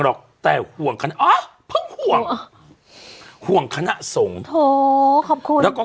หรอกแต่ห่วงคณะอ๋อเพิ่งห่วงห่วงคณะสงฆ์โถขอบคุณแล้วก็